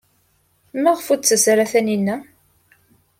Maɣef ur d-tettas ara Taninna?